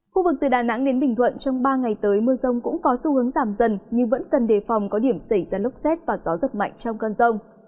khu vực từ đà nẵng đến bình thuận trong ba ngày tới mưa rông cũng có xu hướng giảm dần nhưng vẫn cần đề phòng có điểm xảy ra lốc xét và gió giật mạnh trong cơn rông